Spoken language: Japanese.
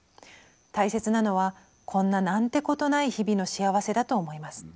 大切なのはこんな何てことない日々の幸せだと思います。